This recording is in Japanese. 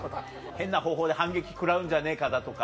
変な方法で反撃食らうんじゃねえかだとか。